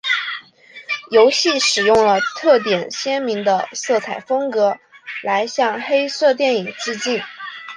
游戏使用了特点鲜明的色彩风格来向黑色电影致敬。